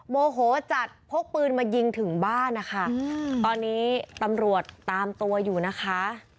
โมโหจัดพกปืนมายิงถึงบ้านนะคะตอนนี้ตำรวจตามตัวอยู่นะคะ